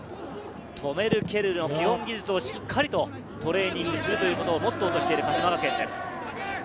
止める、蹴るの基本技術をしっかりトレーニングするということをモットーとしている鹿島学園です。